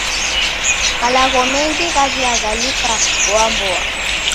Malagho mengi ghaw'iaghalukagha mboamboa.